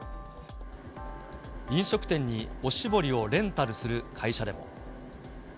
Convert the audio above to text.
飲食店におしぼりをレンタルする会社でも。